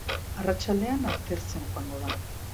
Arratsaldean, atertzen joango da.